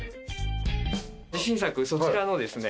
自信作そちらのですね。